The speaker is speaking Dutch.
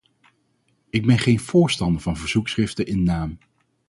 Ik ben geen voorstander van verzoekschriften in naam.